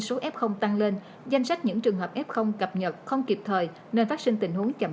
số f tăng lên danh sách những trường hợp f cập nhật không kịp thời nên phát sinh tình huống chậm